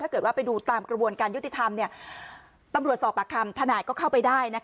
ไปดูตามกระบวนการยุติธรรมตำรวจสอบปากคำทนายก็เข้าไปได้